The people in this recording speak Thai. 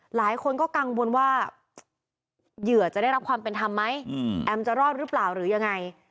หลายคนก็กังวลว่าเหยื่อจะได้รับความเป็นธรรมไหมแอมจะรอดหรือเปล่าหรือยังไง